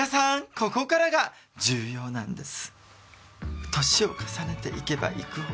ここからが重要なんです。